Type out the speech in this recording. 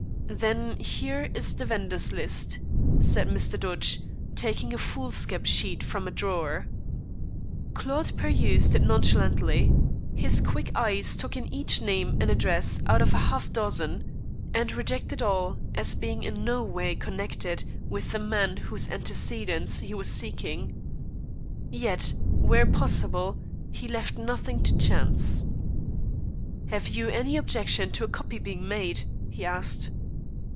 "Then here is the vendors' list," said Mr. Dodge, taking a foolscap sheet from a drawer. Claude perused it nonchalantly. His quick eyes took in each name and address out of half a dozen, and rejected all as being in no way connected with the man whose antecedents he was seeking. Yet, where possible, he left nothing to chance. "Have you any objection to a copy being made?" he asked.